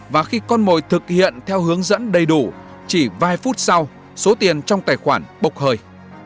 và khi con mồi thực hiện theo hướng dẫn đầy đủ chỉ vài phút sau số tiền trong tài khoản bộc hơi